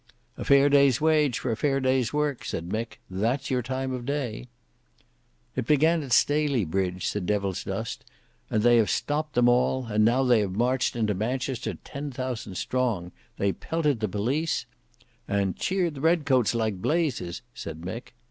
"A fair day's wage for a fair day's work," said Mick; "that's your time of day." "It began at Staleybridge," said Devilsdust, "and they have stopped them all; and now they have marched into Manchester ten thousand strong. They pelted the police—" "And cheered the red coats like blazes," said Mick.